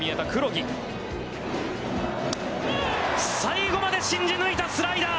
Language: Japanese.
最後まで信じ抜いたスライダー！